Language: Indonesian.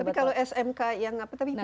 tapi kalau smk yang apa tapi